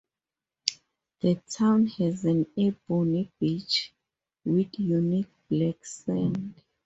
The town has an ebony beach with unique black sand.